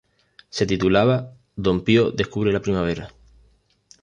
Se titulaba "Don Pío descubre la primavera".